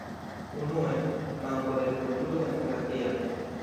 Unue: manko de kulturo demokratia.